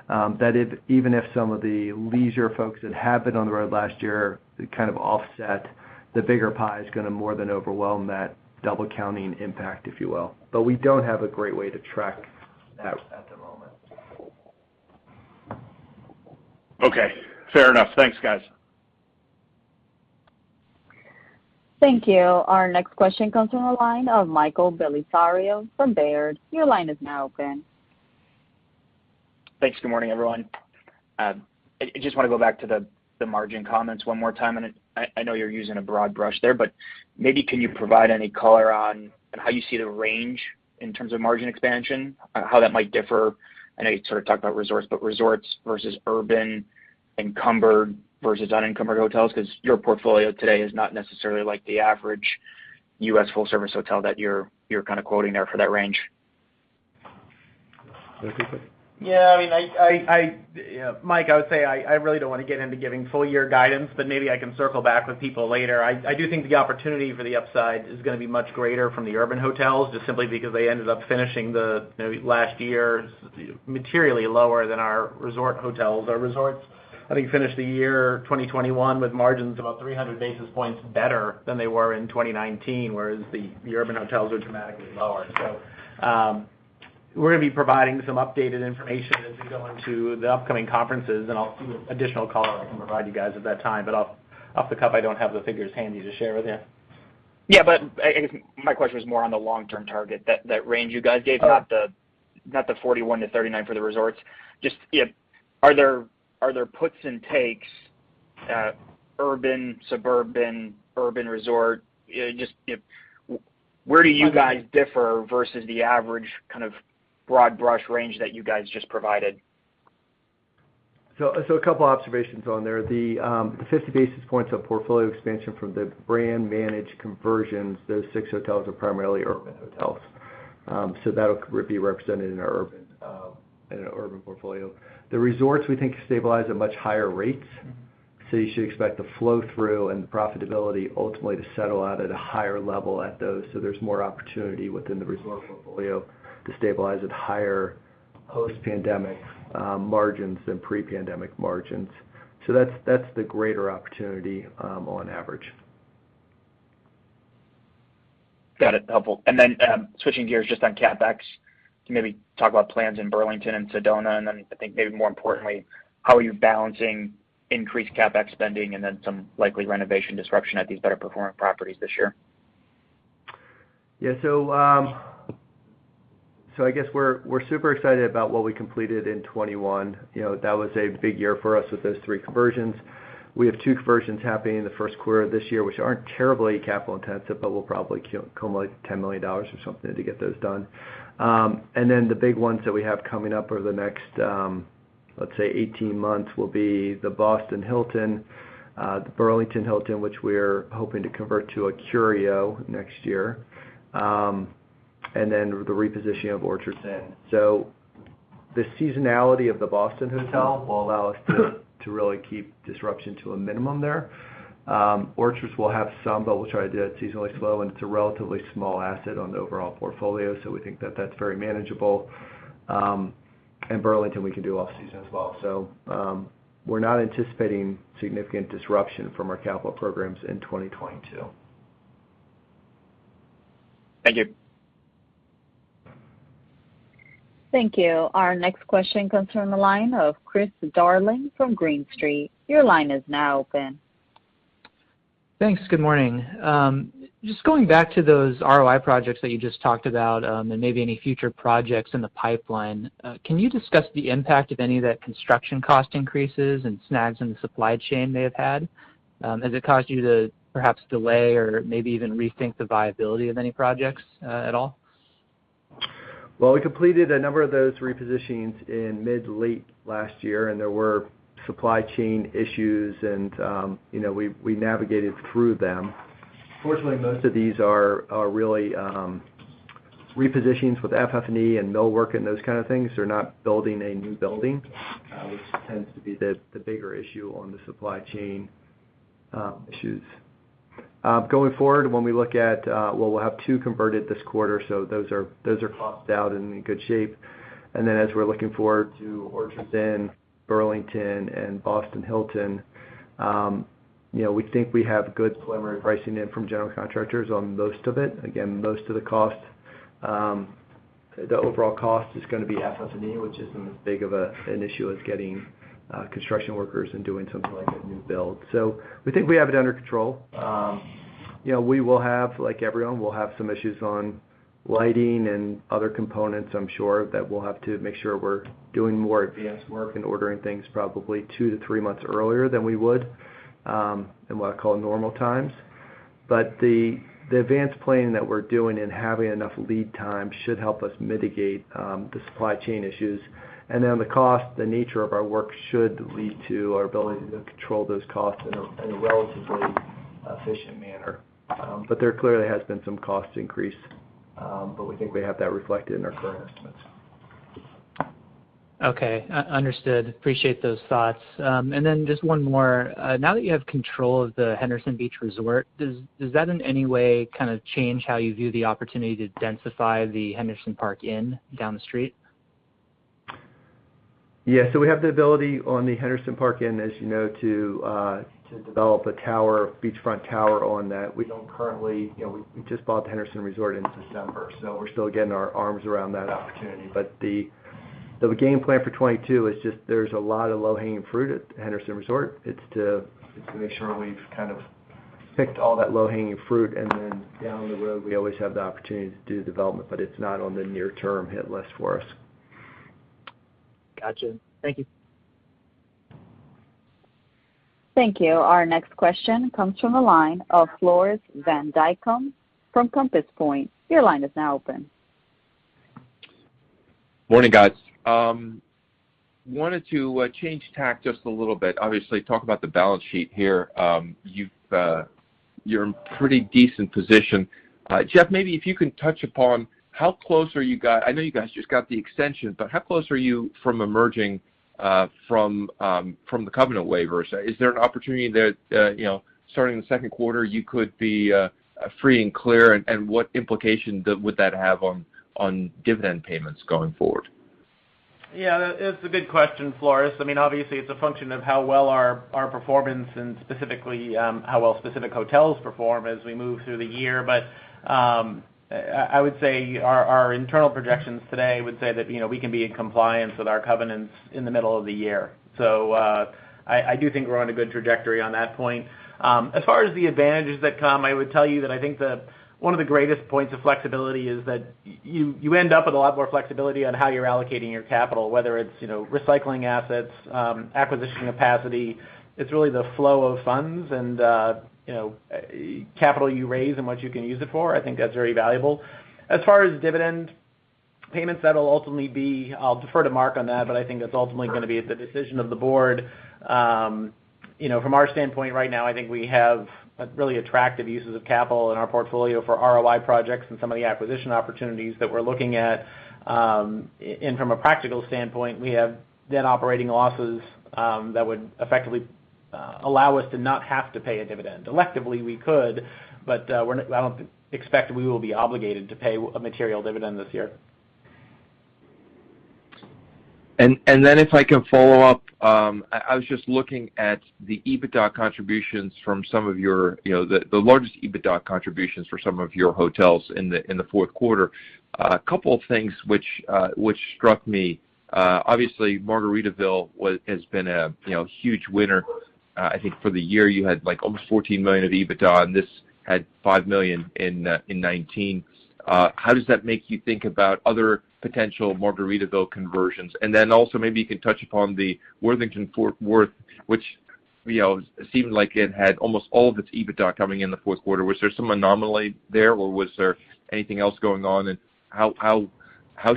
that even if some of the leisure folks that have been on the road last year kind of offset, the bigger pie is gonna more than overwhelm that double counting impact, if you will. We don't have a great way to track that at the moment. Okay. Fair enough. Thanks, guys. Thank you. Our next question comes from the line of Michael Bellisario from Baird. Your line is now open. Thanks. Good morning, everyone. I just wanna go back to the margin comments one more time, and I know you're using a broad brush there, but maybe can you provide any color on how you see the range in terms of margin expansion, how that might differ? I know you sort of talked about resorts, but resorts versus urban, encumbered versus unencumbered hotels, 'cause your portfolio today is not necessarily like the average U.S. full service hotel that you're kind of quoting there for that range. Yeah, I mean, yeah, Mike, I would say I really don't wanna get into giving full year guidance, but maybe I can circle back with people later. I do think the opportunity for the upside is gonna be much greater from the urban hotels, just simply because they ended up finishing, you know, last year materially lower than our resort hotels. Our resorts, I think, finished the year 2021 with margins about 300 basis points better than they were in 2019, whereas the urban hotels are dramatically lower. We're gonna be providing some updated information as we go into the upcoming conferences, and some additional color I can provide you guys at that time. Off the cuff, I don't have the figures handy to share with you. Yeah. I guess my question was more on the long-term target, that range you guys gave, not the 41-39 for the resorts. Just, you know, are there puts and takes at urban, suburban, urban resort? Just, you know, where do you guys differ versus the average kind of broad brush range that you guys just provided? A couple observations on there. The 50 basis points of portfolio expansion from the brand managed conversions, those six hotels are primarily urban hotels. That'll be represented in our urban portfolio. The resorts, we think, stabilize at much higher rates, so you should expect the flow through and profitability ultimately to settle out at a higher level at those. There's more opportunity within the resort portfolio to stabilize at higher post-pandemic margins than pre-pandemic margins. That's the greater opportunity on average. Got it. Helpful. Switching gears just on CapEx, can you maybe talk about plans in Burlington and Sedona? I think maybe more importantly, how are you balancing increased CapEx spending and then some likely renovation disruption at these better performing properties this year? Yeah. I guess we're super excited about what we completed in 2021. You know, that was a big year for us with those three conversions. We have two conversions happening in the first quarter of this year, which aren't terribly capital intensive, but we'll probably accumulate $10 million or something to get those done. The big ones that we have coming up over the next, let's say 18 months, will be the Boston Hilton, the Burlington Hilton, which we're hoping to convert to a Curio next year, and then the repositioning of Orchards Inn. The seasonality of the Boston hotel will allow us to really keep disruption to a minimum there. Orchards will have some, but we'll try to do that seasonally as well, and it's a relatively small asset on the overall portfolio, so we think that that's very manageable. Burlington, we can do off season as well. We're not anticipating significant disruption from our capital programs in 2022. Thank you. Thank you. Our next question comes from the line of Chris Darling from Green Street. Your line is now open. Thanks. Good morning. Just going back to those ROI projects that you just talked about, and maybe any future projects in the pipeline, can you discuss the impact of any of that construction cost increases and snags in the supply chain may have had? Has it caused you to perhaps delay or maybe even rethink the viability of any projects, at all? Well, we completed a number of those repositionings in mid-late last year, and there were supply chain issues and you know, we navigated through them. Fortunately, most of these are really repositionings with FF&E and millwork and those kind of things. They're not building a new building, which tends to be the bigger issue on the supply chain issues. Going forward, when we look at well, we'll have two converted this quarter, so those are costed out and in good shape. Then as we're looking forward to Orchards Inn, Burlington Hilton, and Boston Hilton, you know, we think we have good preliminary pricing in from general contractors on most of it. Again, most of the cost, the overall cost is gonna be FF&E, which isn't as big of an issue as getting construction workers and doing something like a new build. We think we have it under control. You know, we will have, like everyone, we'll have some issues on lighting and other components, I'm sure, that we'll have to make sure we're doing more advanced work and ordering things probably 2-3 months earlier than we would in what I call normal times. But the advanced planning that we're doing and having enough lead time should help us mitigate the supply chain issues. On the cost, the nature of our work should lead to our ability to control those costs in a relatively efficient manner. There clearly has been some cost increase, but we think we have that reflected in our current estimates. Okay. Understood. Appreciate those thoughts. Just one more. Now that you have control of the Henderson Beach Resort, does that in any way kind of change how you view the opportunity to densify the Henderson Park Inn down the street? Yeah. We have the ability on the Henderson Park Inn, as you know, to develop a tower, beachfront tower on that. We don't currently, we just bought the Henderson Resort in December, so we're still getting our arms around that opportunity. The game plan for 2022 is just there's a lot of low-hanging fruit at Henderson Resort. It's to make sure we've kind of picked all that low-hanging fruit, and then down the road, we always have the opportunity to do development, but it's not on the near term hit list for us. Gotcha. Thank you. Thank you. Our next question comes from the line of Floris van Dijkum from Compass Point. Your line is now open. Morning, guys. Wanted to change tack just a little bit. Obviously, talk about the balance sheet here. You're in pretty decent position. Jeff, maybe if you can touch upon how close are you guys. I know you guys just got the extension, but how close are you from emerging from the covenant waivers? Is there an opportunity that, you know, starting in the second quarter, you could be free and clear, and what implication would that have on dividend payments going forward? Yeah, that is a good question, Floris. I mean, obviously it's a function of how well our performance and specifically, how well specific hotels perform as we move through the year. I would say our internal projections today would say that, you know, we can be in compliance with our covenants in the middle of the year. I do think we're on a good trajectory on that point. As far as the advantages that come, I would tell you that I think the one of the greatest points of flexibility is that you end up with a lot more flexibility on how you're allocating your capital, whether it's, you know, recycling assets, acquisition capacity. It's really the flow of funds and, you know, capital you raise and what you can use it for. I think that's very valuable. As far as dividend payments, that'll ultimately be. I'll defer to Mark on that, but I think that's ultimately gonna be at the decision of the board. You know, from our standpoint right now, I think we have, like, really attractive uses of capital in our portfolio for ROI projects and some of the acquisition opportunities that we're looking at. And from a practical standpoint, we have net operating losses that would effectively allow us to not have to pay a dividend. Electively, we could, but I don't expect we will be obligated to pay a material dividend this year. Then if I can follow up, I was just looking at the EBITDA contributions from some of your, you know, the largest EBITDA contributions for some of your hotels in the fourth quarter. A couple of things which struck me. Obviously Margaritaville has been a, you know, huge winner. I think for the year, you had like almost $14 million of EBITDA, and this had $5 million in 2019. How does that make you think about other potential Margaritaville conversions? Then also maybe you can touch upon the Worthington, Fort Worth, which, you know, seemed like it had almost all of its EBITDA coming in the fourth quarter. Was there some anomaly there, or was there anything else going on? How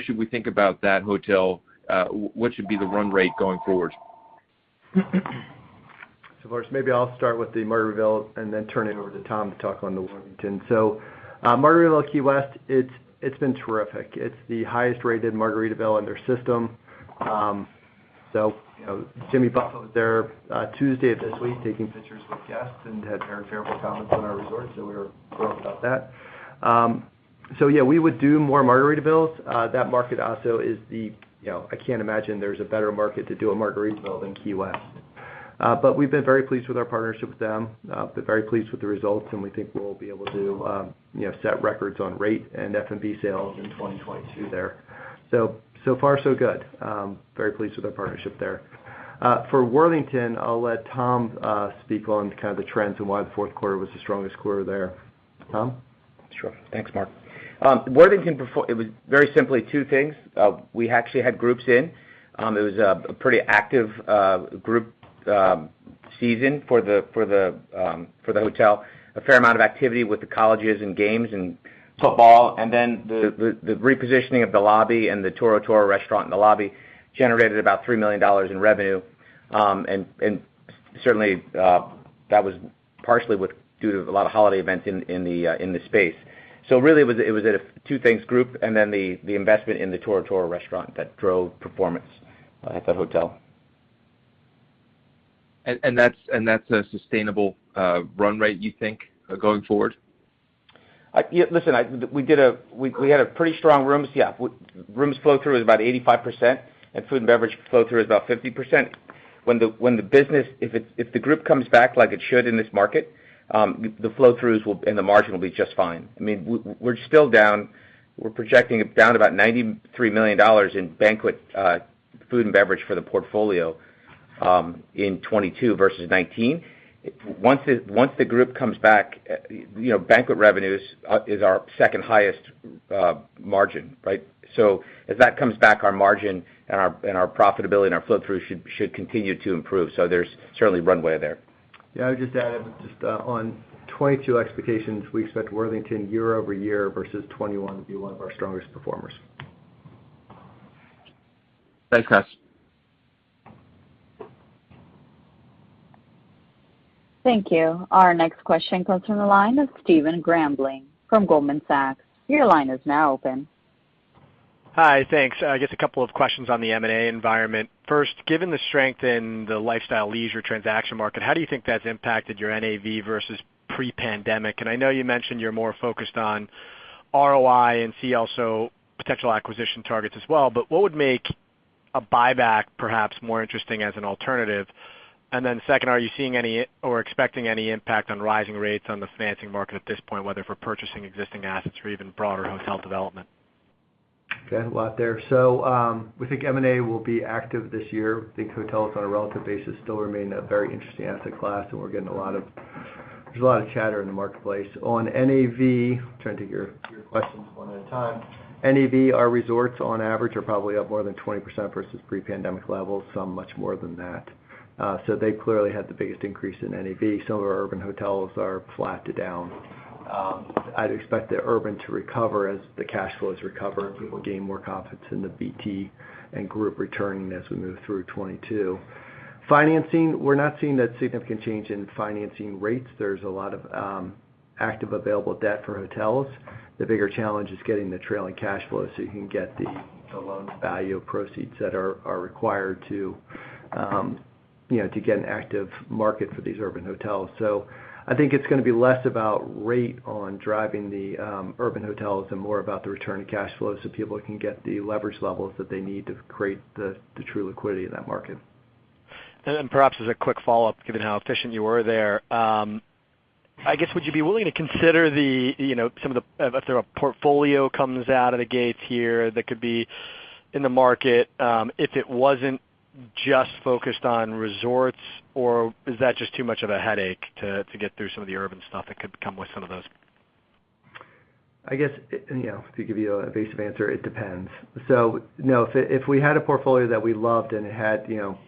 should we think about that hotel? What should be the run rate going forward? First, maybe I'll start with the Margaritaville and then turn it over to Tom to talk on the Worthington. Margaritaville Key West, it's been terrific. It's the highest rated Margaritaville in their system. You know, Jimmy Buffett was there Tuesday of this week taking pictures with guests and had very favorable comments on our resort, so we're thrilled about that. Yeah, we would do more Margaritavilles. That market also is the, you know, I can't imagine there's a better market to do a Margaritaville than Key West. But we've been very pleased with our partnership with them, been very pleased with the results, and we think we'll be able to, you know, set records on rate and F&B sales in 2022 there. So far, so good. Very pleased with our partnership there. For Worthington, I'll let Tom speak on kind of the trends and why the fourth quarter was the strongest quarter there. Tom? Sure. Thanks, Mark. It was very simply two things. We actually had groups in. It was a pretty active group season for the hotel. A fair amount of activity with the colleges and games and football, and then the repositioning of the lobby and the Toro Toro restaurant in the lobby generated about $3 million in revenue. Certainly, that was partially due to a lot of holiday events in the space. Really it was a two things group and then the investment in the Toro Toro restaurant that drove performance at that hotel. That's a sustainable run rate, you think, going forward? Yeah, listen, we had a pretty strong rooms, yeah. Rooms flow through is about 85%, and food and beverage flow through is about 50%. When the business, if the group comes back like it should in this market, the flow throughs will and the margin will be just fine. I mean, we're still down, we're projecting down about $93 million in banquet food and beverage for the portfolio in 2022 versus 2019. Once the group comes back, you know, banquet revenues is our second highest margin, right? As that comes back, our margin and our profitability and our flow through should continue to improve. There's certainly runway there. Yeah, I would just add on 2022 expectations, we expect Worthington year-over-year versus 2021 to be one of our strongest performers. Thanks, guys. Thank you. Our next question comes from the line of Stephen Grambling from Goldman Sachs. Your line is now open. Hi, thanks. Just a couple of questions on the M&A environment. First, given the strength in the lifestyle leisure transaction market, how do you think that's impacted your NAV versus pre-pandemic? I know you mentioned you're more focused on ROI and see a lot of potential acquisition targets as well, but what would make a buyback perhaps more interesting as an alternative? Then second, are you seeing any or expecting any impact on rising rates on the financing market at this point, whether for purchasing existing assets or even broader hotel development? A lot there. We think M&A will be active this year. I think hotels on a relative basis still remain a very interesting asset class, and we're getting a lot of chatter in the marketplace. On NAV, trying to take your questions one at a time. NAV, our resorts on average are probably up more than 20% versus pre-pandemic levels, some much more than that. They clearly had the biggest increase in NAV. Some of our urban hotels are flat to down. I'd expect the urban to recover as the cash flows recover and people gain more confidence in the BT and group returning as we move through 2022. Financing, we're not seeing that significant change in financing rates. There's a lot of active available debt for hotels. The bigger challenge is getting the trailing cash flow so you can get the loan value of proceeds that are required to get an active market for these urban hotels. I think it's gonna be less about rate and driving the urban hotels and more about the return to cash flow so people can get the leverage levels that they need to create the true liquidity in that market. Then perhaps as a quick follow-up, given how efficient you were there, I guess, would you be willing to consider the, you know, some of the if there's a portfolio comes out of the gates here that could be in the market, if it wasn't just focused on resorts, or is that just too much of a headache to get through some of the urban stuff that could come with some of those? I guess, you know, to give you an evasive answer, it depends. No, if we had a portfolio that we loved and it had, you know,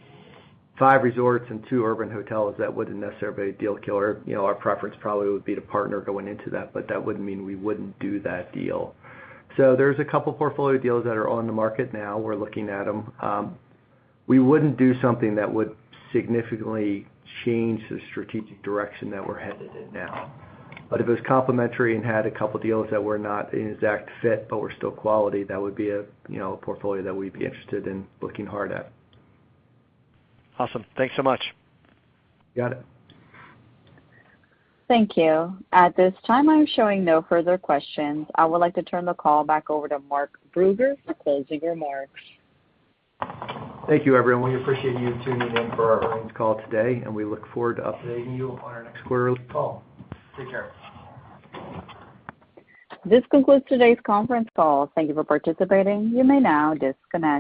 five resorts and two urban hotels, that wouldn't necessarily be a deal killer. You know, our preference probably would be to partner going into that, but that wouldn't mean we wouldn't do that deal. There's a couple portfolio deals that are on the market now. We're looking at them. We wouldn't do something that would significantly change the strategic direction that we're headed in now. If it was complementary and had a couple deals that were not an exact fit but were still quality, that would be a, you know, a portfolio that we'd be interested in looking hard at. Awesome. Thanks so much. You got it. Thank you. At this time, I'm showing no further questions. I would like to turn the call back over to Mark Brugger for closing remarks. Thank you, everyone. We appreciate you tuning in for our earnings call today, and we look forward to updating you on our next quarter's call. Take care. This concludes today's conference call. Thank you for participating. You may now disconnect.